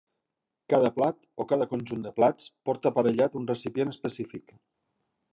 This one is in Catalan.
Cada plat, o cada conjunt de plats, porta aparellat un recipient específic.